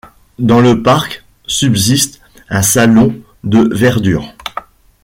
Dans le parc, subsiste un salon de verdure.